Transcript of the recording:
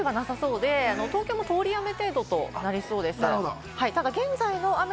そんなに雷雨はなさそうで、東京も通り雨程度となりそうです。